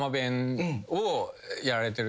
「やられてる」